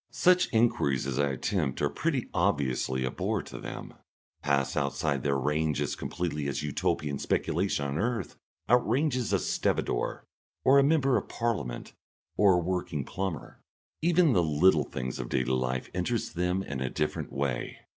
Such enquiries as I attempt are pretty obviously a bore to them, pass outside their range as completely as Utopian speculation on earth outranges a stevedore or a member of Parliament or a working plumber. Even the little things of daily life interest them in a different way.